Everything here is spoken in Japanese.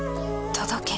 届け。